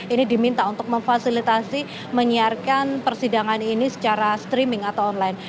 ini diminta untuk memfasilitasi menyiarkan persidangan ini secara streaming atau online